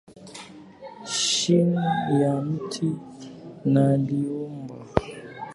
Chini ya mti naliomba,